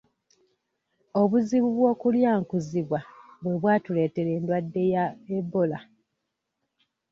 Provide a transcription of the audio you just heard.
Obuzibu bw'okulyankuzibwa bwe bwatuleetera endwadde ya Ebola.